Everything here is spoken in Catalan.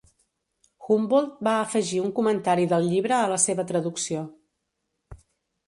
Humboldt va afegir un comentari del llibre a la seva traducció.